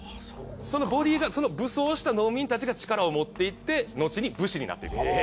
その武装した農民たちが力を持っていってのちに武士になっていくんですよ。